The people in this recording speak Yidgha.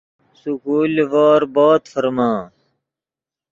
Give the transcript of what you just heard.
سکول لیڤور بود ڤرمے